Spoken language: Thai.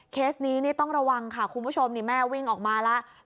เคสนี้นี่ต้องระวังค่ะคุณผู้ชมนี่แม่วิ่งออกมาแล้ว